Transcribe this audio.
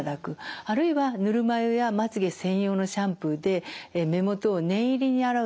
あるいはぬるま湯やまつげ専用のシャンプーで目元を念入り洗うと。